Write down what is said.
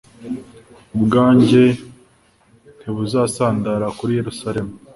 ubwanjye ntibuzasandara kuri yerusalemu